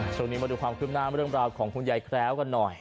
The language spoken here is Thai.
ช่วงนี้มาดูความคืบหน้าเรื่องราวของคุณยายแคล้วกันหน่อย